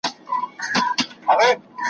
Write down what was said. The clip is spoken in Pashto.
د کارګه په مخ کي وکړې ډیري غوري ,